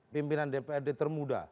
pimpinan dprd termuda